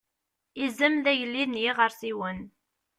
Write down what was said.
Izem d agellid n yiɣersiwen.